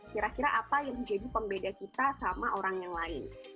kira kira apa yang menjadi pembeda kita sama orang yang lain